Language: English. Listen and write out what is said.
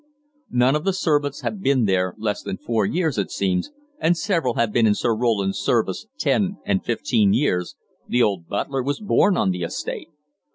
None of the servants has been there less than four years, it seems, and several have been in Sir Roland's service ten and fifteen years the old butler was born on the estate.